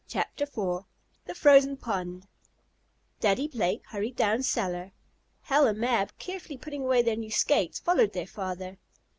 CHAPTER IV THE FROZEN POND Daddy Blake hurried down cellar. Hal and Mab carefully putting away their new skates, followed their father.